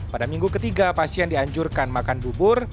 pada minggu ketiga pasien dianjurkan makan bubur